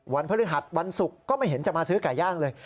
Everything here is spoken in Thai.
พฤหัสวันศุกร์ก็ไม่เห็นจะมาซื้อไก่ย่างเลย